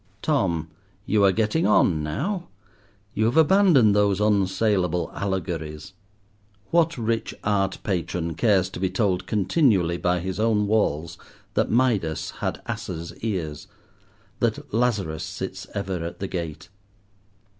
Tom, you are getting on now. You have abandoned those unsaleable allegories. What rich art patron cares to be told continually by his own walls that Midas had ass's ears; that Lazarus sits ever at the gate?